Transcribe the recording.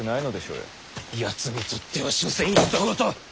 やつにとっては所詮ひと事。